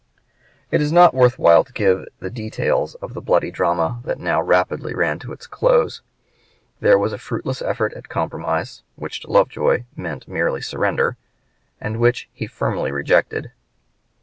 It is not worth while to give the details of the bloody drama that now rapidly ran to its close. There was a fruitless effort at compromise, which to Lovejoy meant merely surrender, and which he firmly rejected.